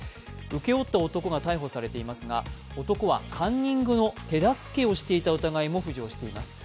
請け負った男が逮捕されていますが男はカンニングの手助けをしていた疑いも浮上しています。